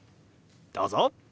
どうぞ。